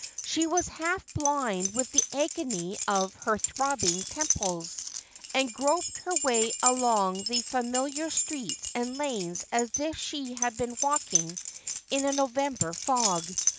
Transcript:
She was holt blind with the agony of her throbbing teraphs, and groped her way along the familiar streets and lanes as if she had been walking in a November fog.